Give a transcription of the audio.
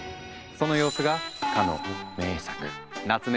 その様子がかの名作夏目